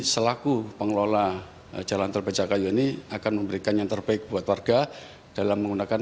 selaku pengelola jalan tol becakayu ini akan memberikan yang terbaik buat warga dalam menggunakan